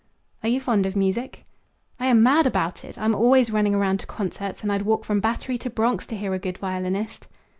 "Are you fond of music?" "I am mad about it! I'm always running round to concerts; and I'd walk from Battery to Bronx to hear a good violinist."